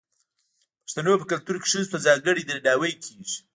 د پښتنو په کلتور کې ښځو ته ځانګړی درناوی کیږي.